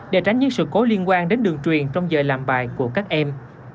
để tránh những sự cố liên quan đến đường truyền trong giờ làm bài của các em